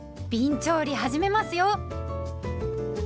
びん調理始めますよ。